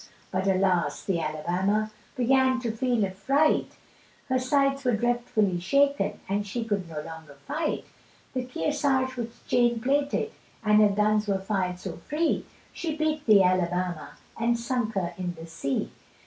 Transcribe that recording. But alas! the Alabama, Began to feel affright, Her sides were dreadfully shaken, And she could no longer fight, The Kearsage was chain plated, And her guns were fired so free, She beat the Alabama, And sunk her in the sea.